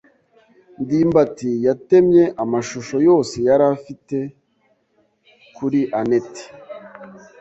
ndimbati yatemye amashusho yose yari afite kuri anet.